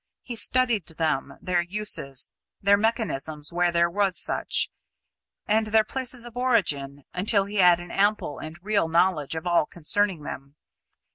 He studied them, their uses, their mechanism where there was such and their places of origin, until he had an ample and real knowledge of all concerning them.